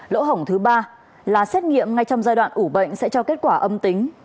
lỗ hổng thứ ba là xét nghiệm ngay trong giai đoạn ủ bệnh sẽ cho kết quả âm tính